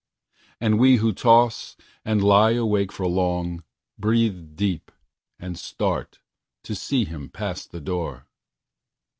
And we who toss and lie awake for long, Breathe deep, and start, to see him pass the door.